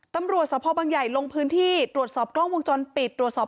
ตำรวจสภบังใหญ่ลงพื้นที่ตรวจสอบกล้องวงจรปิดตรวจสอบ